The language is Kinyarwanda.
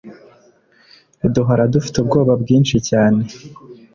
duhora dufite ubwoba bwishi cyane